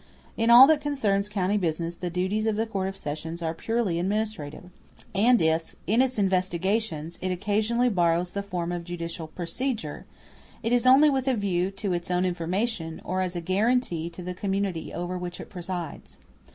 *u In all that concerns county business the duties of the Court of Sessions are purely administrative; and if in its investigations it occasionally borrows the forms of judicial procedure, it is only with a view to its own information, *v or as a guarantee to the community over which it presides.